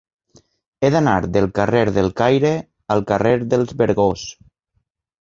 He d'anar del carrer del Caire al carrer dels Vergós.